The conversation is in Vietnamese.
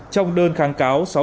trong đơn kháng cáo